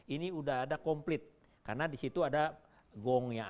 itu sudah komplit karena di situ ada gongnya